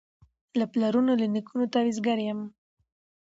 له پلرونو له نیکونو تعویذګر یم